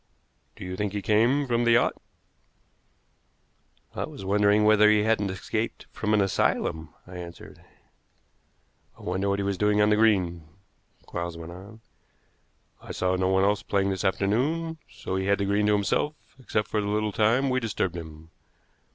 "Do you think he came from the yacht?" "I was wondering whether he hadn't escaped from an asylum," I answered. "I wonder what he was doing on the green," Quarles went on. "I saw no one else playing this afternoon, so he had the green to himself, except for the little time we disturbed him.